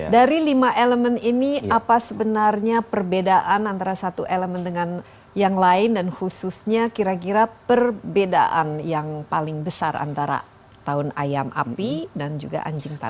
dari lima elemen ini apa sebenarnya perbedaan antara satu elemen dengan yang lain dan khususnya kira kira perbedaan yang paling besar antara tahun ayam api dan juga anjing tanah